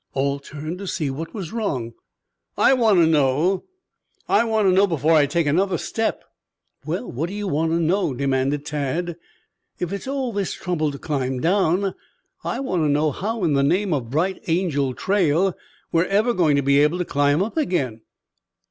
All turned to see what was wrong. "I want to know I want to know before I take another step." "Well, what do you want to know?" demanded Tad. "If it's all this trouble to climb down, I want to know how in the name of Bright Angel Trail we're ever going to be able to climb up again!"